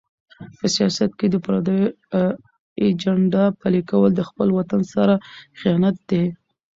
په سیاست کې د پردیو ایجنډا پلي کول د خپل وطن سره خیانت دی.